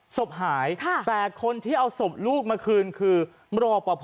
ศพหายแต่คนที่เอาศพลูกมาคืนคือรอปภ